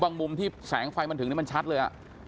มุมที่แสงไฟมันถึงนี่มันชัดเลย